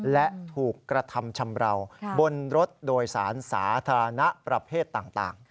และถูกกระทำชำราวบนรถโดยสารสาธารณะประเภทต่าง